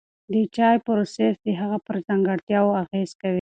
د چای پروسس د هغه پر ځانګړتیاوو اغېز کوي.